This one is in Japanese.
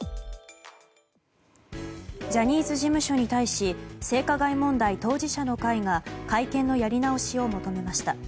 ジャニーズ事務所に対し性加害問題当事者の会が会見のやり直しを求めました。